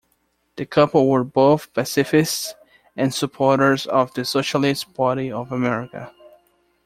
The couple were both pacifists and supporters of the Socialist Party of America.